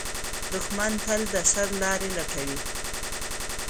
دښمن تل د شر لارې لټوي